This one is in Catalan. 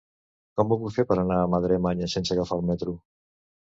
Com ho puc fer per anar a Madremanya sense agafar el metro?